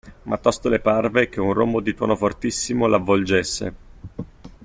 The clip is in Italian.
Ma tosto le parve che un rombo di tuono fortissimo l'avvolgesse.